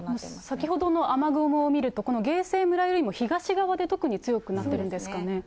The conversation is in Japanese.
先ほどの雨雲を見ると、この芸西村よりも東側で特に強くなっているんですかね。